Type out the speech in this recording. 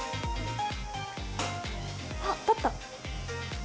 あっ、立った。